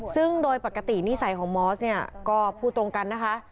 ซึ่งโดยปกตินิสัยของมอสเนี่ยก็พูดตรงกันนะคะ